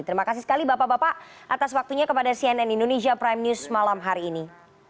terima kasih sekali bapak bapak atas waktunya kepada cnn indonesia prime news malam hari ini